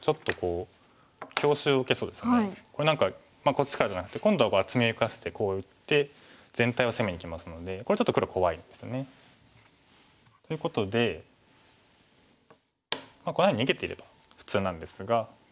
こっちからじゃなくて今度は厚みを生かしてこう打って全体を攻めにきますのでこれちょっと黒怖いですよね。ということでこんなふうに逃げていれば普通なんですが。